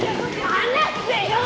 離せよ！